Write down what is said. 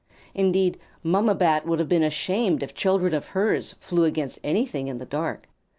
Indeed, Mamma Bat would have been ashamed if children of hers flew against anything in the dark.